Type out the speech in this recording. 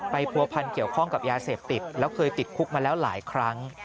ผัวพันเกี่ยวข้องกับยาเสพติดแล้วเคยติดคุกมาแล้วหลายครั้ง